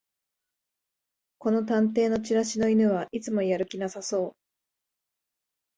この探偵のチラシの犬はいつもやる気なさそう